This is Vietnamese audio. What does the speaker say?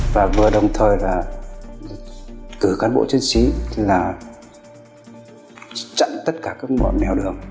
và vừa đồng thời là cử cán bộ chiến sĩ là chặn tất cả các bọn nèo đường